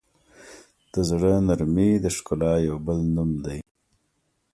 د زړه نرمي د ښکلا یو بل نوم دی.